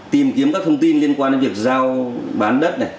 tìm kiếm các thông tin liên quan đến việc giao bán đất này